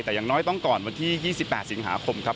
แต่อย่างน้อยต้องก่อนวันที่๒๘สิงหาคมครับ